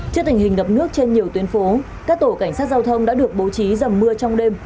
trước tình hình ngập nước trên nhiều tuyến phố các tổ cảnh sát giao thông đã được bố trí dầm mưa trong đêm